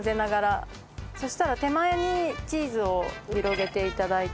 そしたら手前にチーズを広げて頂いて。